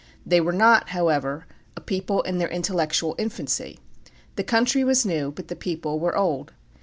They were not, however, a people in their intellectual infancy. The country was new; but the people were old.